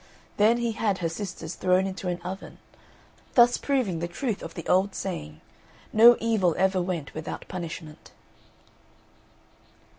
Then he had her sisters thrown into an oven, thus proving the truth of the old saying "No evil ever went without punishment."